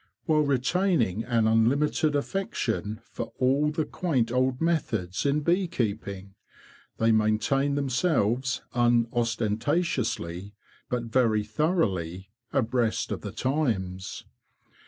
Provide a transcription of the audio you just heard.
While retaining an unlimited affection for all the quaint old methods in bee keeping, they maintain them selves, umnostentatiously, but very thoroughly, abreast of the times.